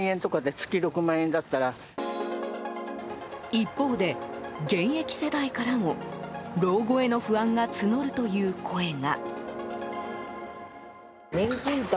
一方で、現役世代からも老後への不安が募るという声が。